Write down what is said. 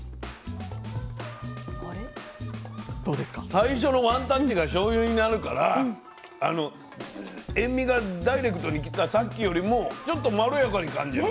最初のワンタッチがしょうゆになるから塩味がダイレクトにきたさっきよりもちょっとまろやかに感じる。